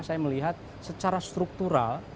saya melihat secara struktural